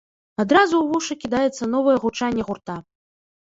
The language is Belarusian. Адразу ў вушы кідаецца новае гучанне гурта.